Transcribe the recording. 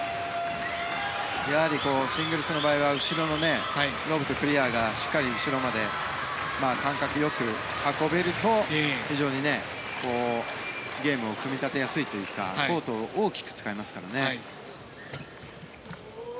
やはりシングルスの場合はロブとクリアがしっかり後ろまで、感覚良く運べると、非常にゲームを組み立てやすいというかコートを大きく使えますからね。